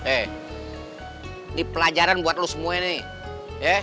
eh ini pelajaran buat lo semua ini